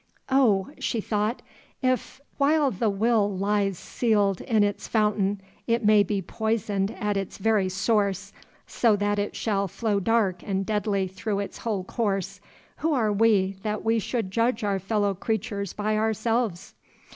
"Oh," she thought, "if, while the will lies sealed in its fountain, it may be poisoned at its very source, so that it shall flow dark and deadly through its whole course, who are we that we should judge our fellow creatures by ourselves?"